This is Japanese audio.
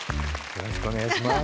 よろしくお願いします。